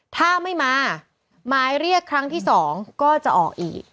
ถ้าไม่มาหมายเรียกครั้งที่๒ก็จะออกอีก